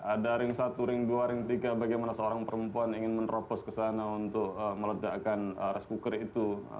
ada ring satu ring dua ring tiga bagaimana seorang perempuan ingin menerobos kesana untuk melejakan res kukri itu